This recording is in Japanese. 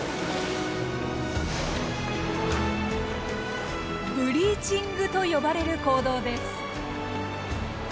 ブリーチングと呼ばれる行動です。